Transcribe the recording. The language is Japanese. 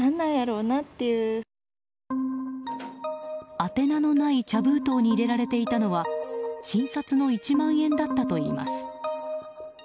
宛名のない茶封筒に入れられていたのは新札の１万円だったといいます。